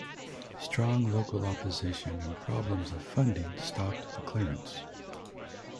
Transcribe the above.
Strong local opposition and problems of funding stopped the clearance.